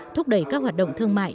thúc đẩy các hoạt động thương mại